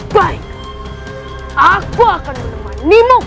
baik aku akan menemani mok